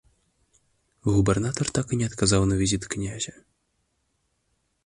Губернатар так і не адказаў на візіт князя.